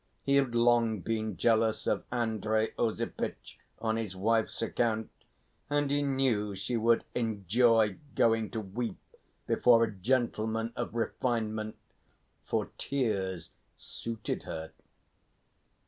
He had long been jealous of Andrey Osipitch on his wife's account, and he knew she would enjoy going to weep before a gentleman of refinement, for tears suited her.